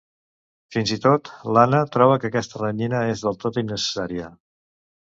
Fins i tot l'Anna troba que aquesta renyina és del tot innecessària.